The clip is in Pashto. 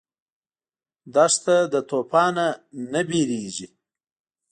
دښته له توفانه نه وېرېږي.